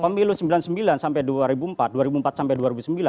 pemilu sembilan puluh sembilan sampai dua ribu empat dua ribu empat sampai dua ribu sembilan